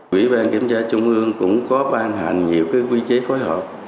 quỹ bang kiểm tra chung ương cũng có ban hành nhiều cái quy chế phối hợp